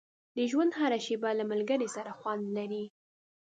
• د ژوند هره شېبه له ملګري سره خوند لري.